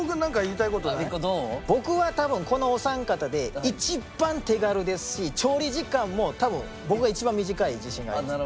僕は多分このお三方で一番手軽ですし調理時間も多分僕が一番短い自信があります。